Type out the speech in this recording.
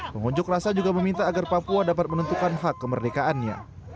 pengunjuk rasa juga meminta agar papua dapat menentukan hak kemerdekaannya